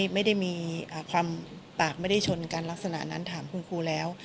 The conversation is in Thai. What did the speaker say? ไม่ได้มีความปากไม่ได้ชนกันลักษณะนั้นถามคุณครูแล้ว